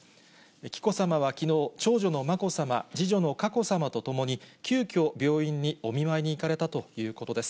紀子さまはきのう、長女のまこさま、次女の佳子さまと共に、急きょ、病院にお見舞いに行かれたということです。